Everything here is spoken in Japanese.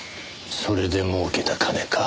それで儲けた金か。